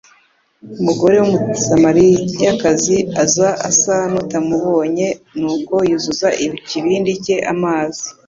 Umugore w’Umusamaliyakazi aza asa n’utamubonye, nuko yuzuza ikibindi cye amazi.